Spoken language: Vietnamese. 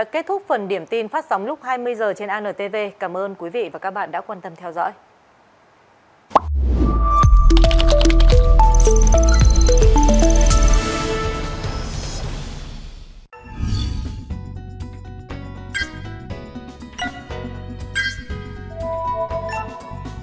cảm ơn các bạn đã quan tâm theo dõi và hãy đăng ký kênh để ủng hộ kênh của chúng mình nhé